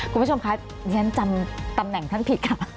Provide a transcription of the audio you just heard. คุณผู้ชมคะฉะนั้นจำนักตำแหน่งท่านผิด